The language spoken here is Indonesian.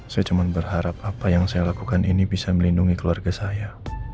saya cuma berharap apa yang saya lakukan ini bisa melindungi keluarga saya